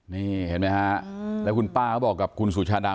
นี่เห็นไหมฮะแล้วคุณป้าเขาบอกกับคุณสุชาดา